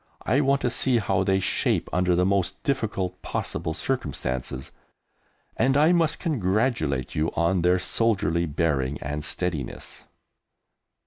I want to see how they shape under the most difficult possible circumstances, and I must congratulate you on their soldierly bearing and steadiness."